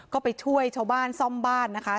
ก็ไปช่วยชาวบ้านซ่อมบ้านนะคะ